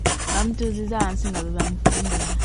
Baamutuuzizza wansi nga bwe bamufungula.